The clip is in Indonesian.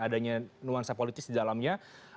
adanya nuansa politis di dalamnya